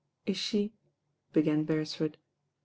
"Is she ?" began Beresford.